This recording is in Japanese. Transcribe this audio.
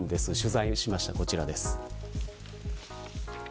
取材をしました、こちらです。